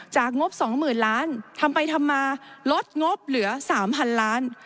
งบ๒๐๐๐ล้านทำไปทำมาลดงบเหลือ๓๐๐๐ล้าน